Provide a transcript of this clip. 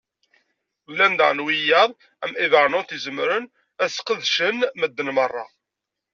Llan daɣen wiyaḍ, am Evernote i zemren ad sqedcen medden meṛṛa.